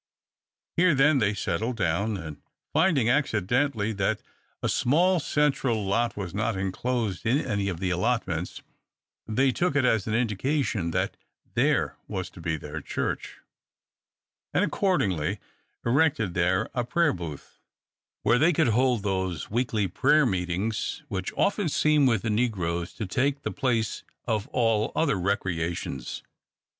Here, then, they settled down; and finding, accidentally, that a small central lot was not enclosed in any of the allotments, they took it as an indication that there was to be their church, and accordingly erected there a prayer booth, where they could hold those weekly prayer meetings which often seem with the negroes to take the place of all other recreations.